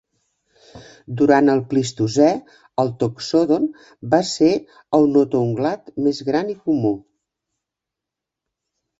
Durant el plistocè, el "Toxodon" va ser el notoungulat més gran i comú.